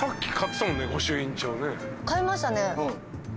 買いましたね。